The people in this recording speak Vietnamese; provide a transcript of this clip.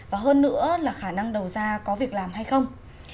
và hơn nữa là khả năng đầu ra có việc làm hay không